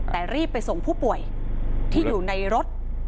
แต่รีบไปส่งผู้ป่วยที่อยู่ในรถ